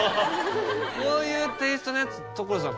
こういうテイストのやつ所さん